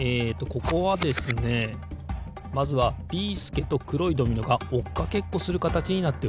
ここはですねまずはビーすけとくろいドミノがおっかけっこするかたちになってるんですよ。